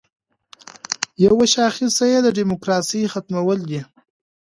یوه شاخصه یې د دیموکراسۍ ختمول دي.